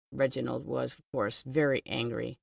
Reginald was, of course, very angry.